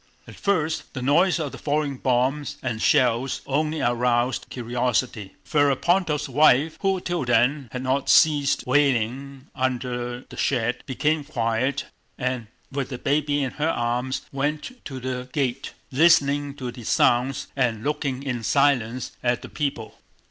At first the noise of the falling bombs and shells only aroused curiosity. Ferapóntov's wife, who till then had not ceased wailing under the shed, became quiet and with the baby in her arms went to the gate, listening to the sounds and looking in silence at the people.